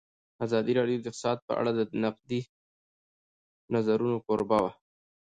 ازادي راډیو د اقتصاد په اړه د نقدي نظرونو کوربه وه.